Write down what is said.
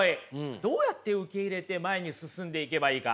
どうやって受け入れて前に進んでいけばいいか。